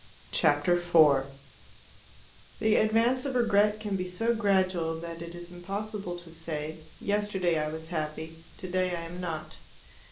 Chapter 4 The advance of regret can be so gradual that it is impossible to say "yesterday I was happy, today I am not."